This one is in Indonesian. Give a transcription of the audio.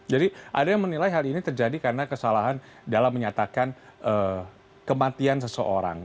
jadi ada yang menilai hal ini terjadi karena kesalahan dalam menyatakan kematian seseorang